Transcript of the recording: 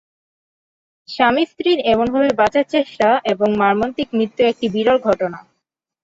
স্বামী-স্ত্রীর এমনভাবে বাঁচার চেষ্টা এবং মর্মান্তিক মৃত্যু একটি বিরল ঘটনা।